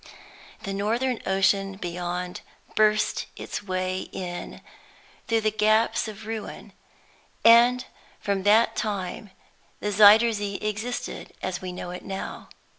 The Northern Ocean beyond burst its way in through the gaps of ruin; and from that time the Zuyder Zee existed as we know it now.